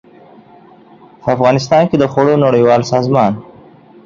په افغانستان کې د خوړو نړیوال سازمان